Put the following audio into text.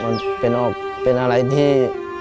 มันเป็นอะไรที่